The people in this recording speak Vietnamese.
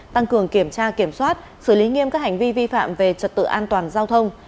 tăng cường kiểm tra kiểm soát xử lý nghiêm các hành vi vi phạm về trật tự an toàn giao thông